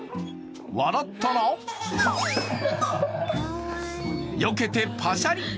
笑ったら、よけてパシャリ。